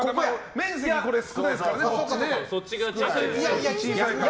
面積少ないですからね、こっち。